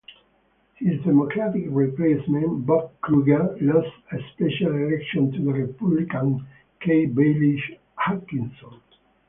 His Democratic replacement, Bob Krueger, lost a special election to Republican Kay Bailey Hutchison.